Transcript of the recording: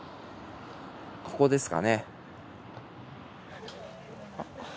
ここですかね。